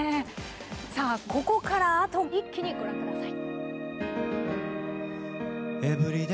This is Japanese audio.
さあ、ここからあと一気にご覧ください。